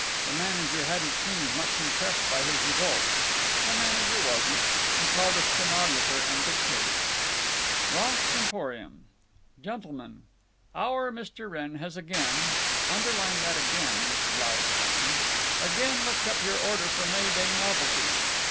The manager hadn't seemed much impressed by his revolt. The manager wasn't. He called a stenographer and dictated: "Bronx Emporium: "GENTLEMEN:—Our Mr. Wrenn has again (underline that 'again,' Miss Blaustein), again looked up your order for May Day novelties.